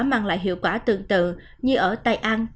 mang lại hiệu quả tương tự như ở tây an